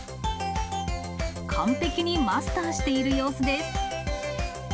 完璧にマスターしている様子です。